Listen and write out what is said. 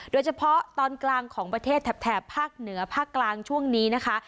โดยเฉพาะตอนกลางของประเทศแถบภาคเหนือภาคกลางช่วงนี้นะคะ